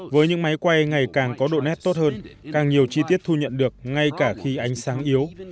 với những máy quay ngày càng có độ nét tốt hơn càng nhiều chi tiết thu nhận được ngay cả khi ánh sáng yếu